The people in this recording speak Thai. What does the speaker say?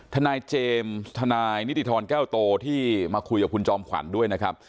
ทนายเจมส์ทนายนิติธรแก้วโตที่มาคุยกับคุณจอมขวัญด้วยนะครับ